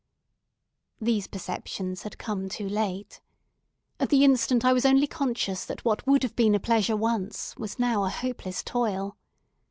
These perceptions had come too late. At the Instant, I was only conscious that what would have been a pleasure once was now a hopeless toil.